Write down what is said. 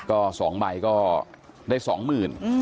ก็๒ใบก็ได้๒หมื่น